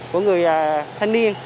của người thanh niên